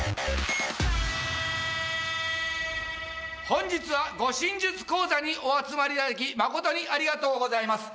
本日は護身術講座にお集まりいただき本当にありがとうございます。